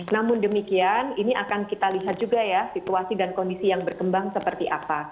namun demikian ini akan kita lihat juga ya situasi dan kondisi yang berkembang seperti apa